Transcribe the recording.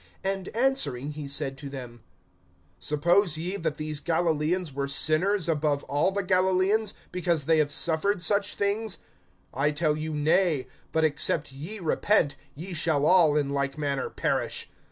(2)And answering he said to them: Suppose ye that these Galilaeans were sinners above all the Galilaeans, because they have suffered such things? (3)I tell you, nay; but, except ye repent, ye shall all in like manner perish.